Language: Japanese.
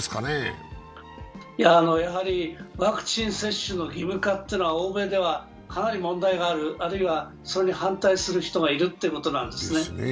やはりワクチン接種の義務化というのは欧米ではかなり問題がある、あるいはそれに反対する人がいるってことなんですね。